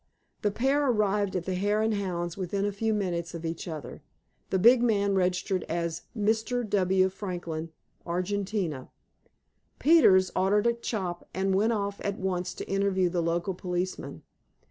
The pair arrived at the Hare and Hounds within a few minutes of each other. The big man registered as "Mr. W. Franklin, Argentina." Peters ordered a chop, and went off at once to interview the local policeman.